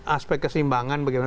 aspek keseimbangan bagaimana